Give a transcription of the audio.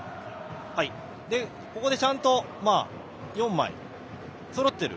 ここでちゃんと４枚そろっている。